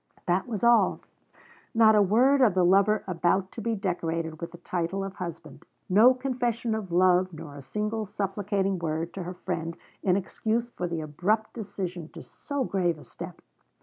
That was all. Not a word of the lover about to be decorated with the title of husband. No confession of love, nor a single supplicating word to her friend, in excuse for the abrupt decision to so grave a step.